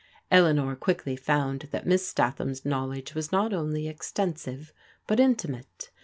Eleanor quickly found that Miss Stat ham's knowledge was not only extensive, but intimate.